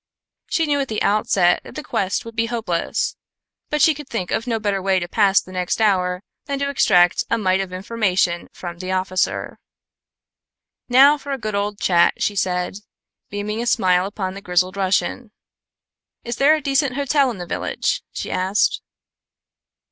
She knew at the outset that the quest would be hopeless, but she could think of no better way to pass the next hour then to extract a mite of information from the officer. "Now for a good old chat," she said, beaming a smile upon the grizzled Russian. "Is there a decent hotel in the village?" she asked.